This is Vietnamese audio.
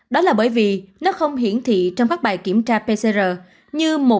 đó là bởi vì nó không hiển thị trong các bài kiểm tra pcr như một lỗi đích của gen s theo cách của omicron